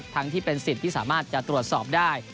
ที่เป็นสิทธิ์ที่สามารถจะตรวจสอบได้